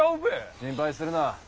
心配するな。